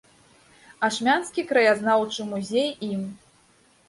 Ашмянскі краязнаўчы музей ім.